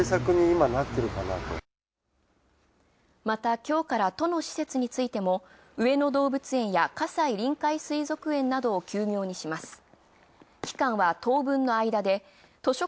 またきょうから、都の施設についても上野動物園や葛西臨海水族園を休業にします。